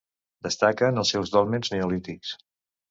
Destaquen els seus dòlmens neolítics.